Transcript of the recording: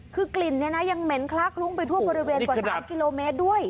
คือกลิ่นยังเหม็นคลักลุ้งไปทั่วบริเวณกว่า๓กิโลเมตรด้วย